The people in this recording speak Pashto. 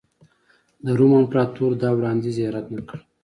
د روم امپراتور دا وړاندیز یې رد نه کړ